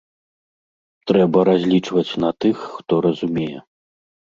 Трэба разлічваць на тых, хто разумее.